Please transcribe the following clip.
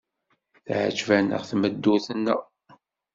Teɛjeb-aneɣ tmeddurt-nneɣ.